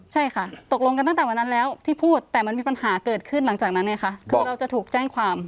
ใช่ค่ะตกลงกันตั้งแต่วันนั้นแล้วที่พูดแต่มันมีปัญหาเกิดขึ้นหลังจากนั้นไงคะคือเราจะถูกแจ้งความ